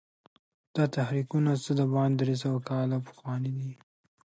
دا تحریکونه څه باندې درې سوه کاله پخواني دي.